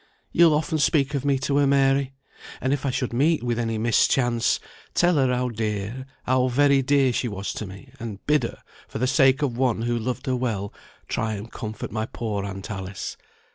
You'll often speak of me to her, Mary? And if I should meet with any mischance, tell her how dear, how very dear, she was to me, and bid her, for the sake of one who loved her well, try and comfort my poor aunt Alice.